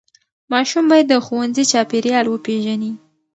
ماشوم باید د ښوونځي چاپېریال وپیژني.